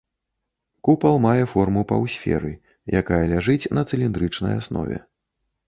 Купал мае форму паўсферы, якая ляжыць на цыліндрычнай аснове.